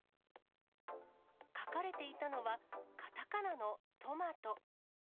書かれていたのは、かたかなのトマト。